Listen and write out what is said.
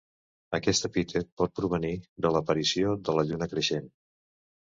Aquest epítet pot provenir de l'aparició de la lluna creixent.